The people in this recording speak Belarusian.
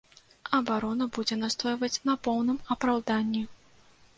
Абарона будзе настойваць на поўным апраўданні.